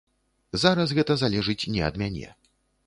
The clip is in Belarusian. Зараз гэта залежыць не ад мяне.